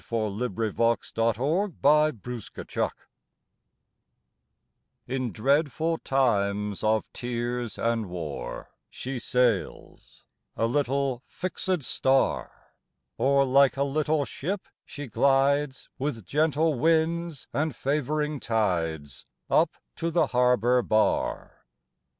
28 FLOWER OF YOUTH THE YOUNG MOTHER IN dreadful times of tears and war She sails, a little fixed star, Or like a little ship she glides With gentle winds and favouring tides Up to the harbour bar.